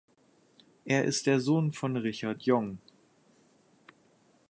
Er ist der Sohn von Richard Yong.